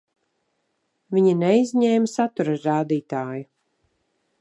Viņi neizņēma satura rādītāju.